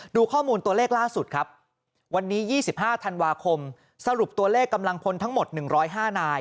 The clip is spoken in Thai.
ดูข้อมูลตัวเลขล่าสุดครับวันนี้ยี่สิบห้าธันวาคมสรุปตัวเลขกำลังพลทั้งหมดหนึ่งร้อยห้านาย